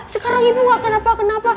sekarang ibu gak kenapa kenapa